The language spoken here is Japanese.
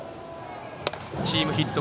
チームヒット